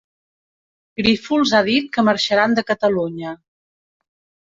Grífols ha dit que marxaran de Catalunya.